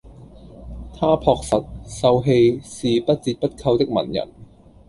他樸實、秀氣，是不折不扣的文人